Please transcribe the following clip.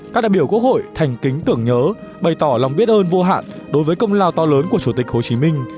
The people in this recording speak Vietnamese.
các đại biểu quốc hội thành kính tưởng nhớ bày tỏ lòng biết ơn vô hạn đối với công lao to lớn của chủ tịch hồ chí minh